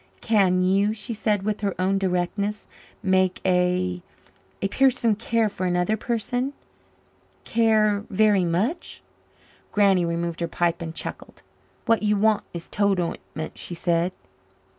"Can you," she said with her own directness, "make a a person care for another person care very much?" Granny removed her pipe and chuckled. "What you want is toad ointment," she said.